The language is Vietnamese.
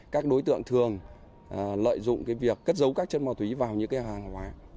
các đối tượng thường lợi dụng cái việc cất giấu các chất ma túy vào những cái hàng hóa